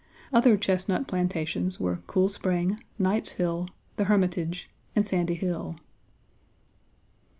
Other Chesnut plantations were Cool Spring, Knight's Hill, The Hermitage, and Sandy Hill.